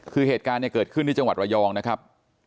คือเหตุการณ์เนี่ยเกิดขึ้นที่จังหวัดระยองนะครับ